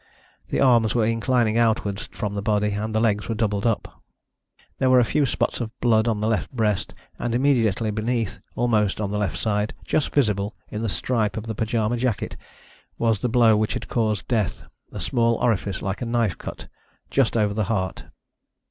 The arms were inclining outwards from the body, and the legs were doubled up. There were a few spots of blood on the left breast, and immediately beneath, almost on the left side, just visible in the stripe of the pyjama jacket, was the blow which had caused death a small orifice like a knife cut, just over the heart.